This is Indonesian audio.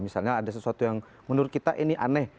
misalnya ada sesuatu yang menurut kita ini aneh